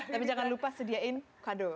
tapi jangan lupa sediain kado